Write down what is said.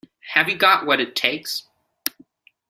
Have you got what it takes?